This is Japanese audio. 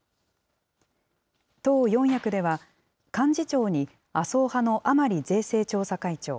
党四役では、幹事長に麻生派の甘利税制調査会長。